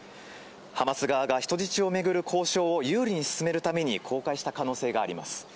ハマス側が人質を巡る交渉を有利に進めるために公開した可能性があります。